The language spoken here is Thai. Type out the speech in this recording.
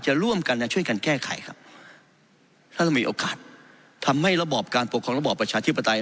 ร่วมกันจะช่วยกันแก้ไขครับถ้าเรามีโอกาสทำให้ระบอบการปกครองระบอบประชาธิปไตย